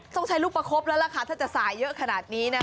ต้องใช้ลูกประคบแล้วล่ะค่ะถ้าจะสายเยอะขนาดนี้นะ